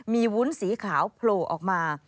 มีวุ้นสีขาวโผล่ออกมา